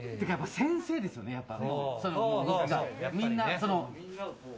先生ですよね、やっぱり。